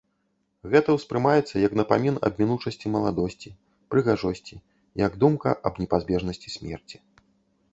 Гэта ўспрымаецца як напамін аб мінучасці маладосці, прыгажосці, як думка аб непазбежнасці смерці.